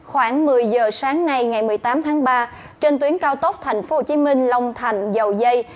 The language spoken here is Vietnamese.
khoảng một mươi giờ sáng nay ngày một mươi tám tháng ba trên tuyến cao tốc tp hcm long thành dầu dây